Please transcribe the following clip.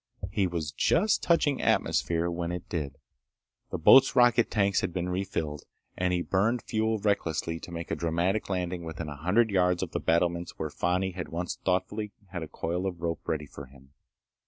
He was just touching atmosphere when it did. The boat's rocket tanks had been refilled, and he burned fuel recklessly to make a dramatic landing within a hundred yards of the battlements where Fani had once thoughtfully had a coil of rope ready for him.